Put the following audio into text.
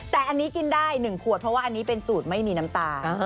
แต่อันนี้กินได้๑ขวดเพราะว่าอันนี้เป็นสูตรไม่มีน้ำตา